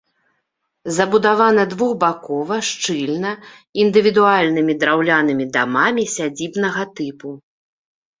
Забудавана двухбакова, шчыльна, індывідуальнымі драўлянымі дамамі сядзібнага тыпу.